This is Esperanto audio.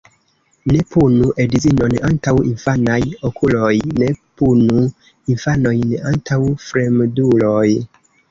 Ne punu edzinon antaŭ infanaj okuloj, ne punu infanojn antaŭ fremduloj.